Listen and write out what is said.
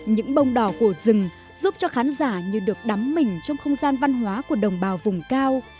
những bông đỏ của rừng giúp cho khán giả như được đắm mình trong không gian văn hóa của đồng bào vùng cao